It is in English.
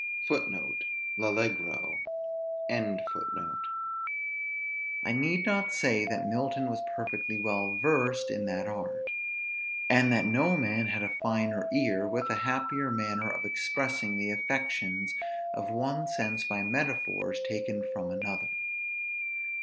I need not say that Milton was perfectly well versed in that art; and that no man had a finer ear, with a happier manner of expressing the affections of one sense by metaphors taken from another.